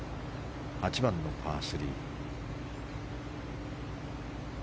８番のパー３。